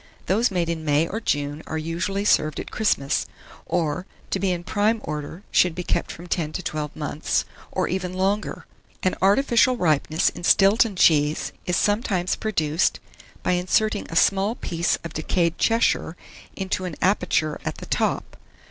Those made in May or June are usually served at Christmas; or, to be in prime order, should be kept from 10 to 12 months, or even longer. An artificial ripeness in Stilton cheese is sometimes produced by inserting a small piece of decayed Cheshire into an aperture at the top.